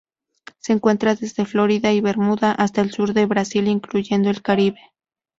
Se encuentra desde Florida y Bermuda hasta el sur del Brasil, incluyendo el Caribe.